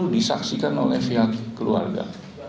disaksikan oleh pihak keluarga